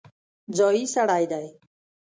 ځايي سړی دی.